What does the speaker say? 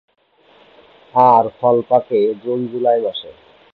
আর ফল পাকে জুন-জুলাই মাসে।